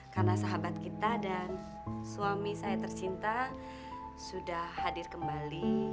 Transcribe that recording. karena sahabat kita dan suami saya tercinta sudah hadir kembali